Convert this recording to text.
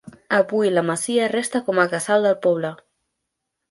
Avui la masia resta com a Casal del Poble.